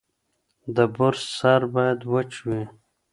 د برس سر باید وچ وي.